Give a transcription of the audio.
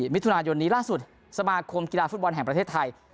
มิถุนายนนี้ล่าสุดสมาคมกีฬาฟุตบอลแห่งประเทศไทย